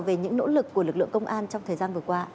về những nỗ lực của lực lượng công an trong thời gian vừa qua